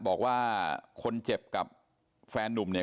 บอกว่าคนเจ็บกับแฟนนุ่มเนี่ย